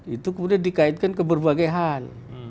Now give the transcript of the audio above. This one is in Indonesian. itu kemudian dikaitkan ke berbagai hal